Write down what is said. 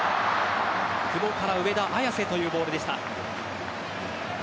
久保から上田綺世というボールでした。